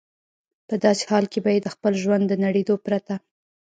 په داسې حال کې به یې د خپل ژوند د نړېدو پرته.